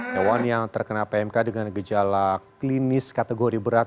hewan yang terkena pmk dengan gejala klinis kategori berat